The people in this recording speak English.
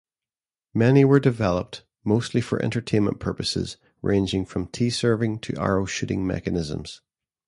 Many were developed, mostly for entertainment purposes, ranging from tea-serving to arrow-shooting mechanisms.